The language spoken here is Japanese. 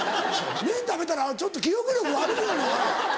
麺食べたらちょっと記憶力悪くなるのかな？